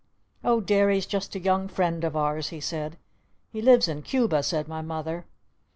"Oh Derry's just a young friend of ours," he said. "He lives in Cuba," said my Mother.